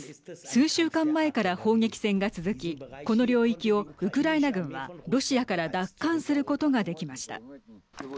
数週間前から砲撃戦が続きこの領域をウクライナ軍はロシアから奪還することができました。